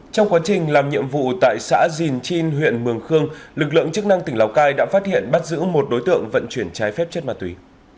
trong quá trình làm nhiệm vụ tại xã dìn chin huyện mường khương lực lượng chức năng tỉnh lào cai đã phát hiện bắt giữ một đối tượng vận chuyển trái phép chất ma túy